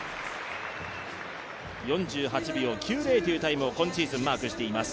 ４８秒９０というタイムを今シーズンマークしています。